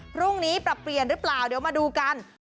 พรุ่งนี้ปรับเปลี่ยนหรือเปล่าเดี๋ยวมาดูกัน